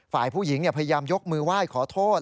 ฝ่ายผู้หญิงพยายามยกมือไหว้ขอโทษ